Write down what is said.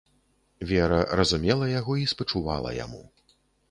Вера разумела яго і спачувала яму.